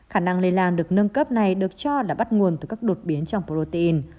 khả năng lây lan được nâng cấp này được cho là bắt nguồn từ các đột biến trong protein